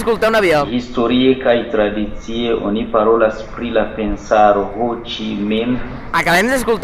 Historie kaj tradicie oni parolas pri la Pensaro Ho Ĉi Minh.